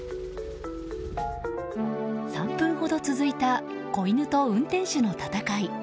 ３分ほど続いた子犬と運転手の戦い。